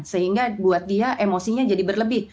sehingga buat dia emosinya jadi berlebih